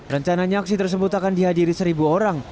rencananya aksi tersebut akan dihadiri seribu orang